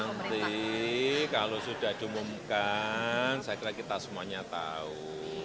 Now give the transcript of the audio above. nanti kalau sudah diumumkan saya kira kita semuanya tahu